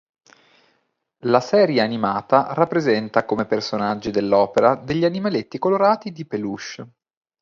La serie animata rappresenta come personaggi dell'opera degli animaletti colorati di peluche.